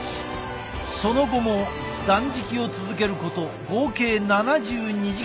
その後も断食を続けること合計７２時間。